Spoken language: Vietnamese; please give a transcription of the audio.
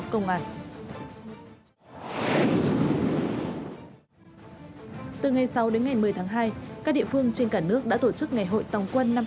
từ ngày sáu đến ngày một mươi tháng hai các địa phương trên cả nước đã tổ chức ngày hội tòng quân năm hai nghìn hai mươi ba